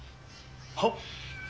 はっ。